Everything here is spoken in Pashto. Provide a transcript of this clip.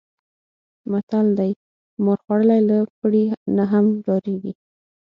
متل دی: مار خوړلی له پړي نه هم ډارېږي.